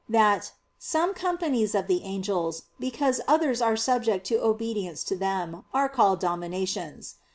that "some companies of the angels, because others are subject to obedience to them, are called dominations."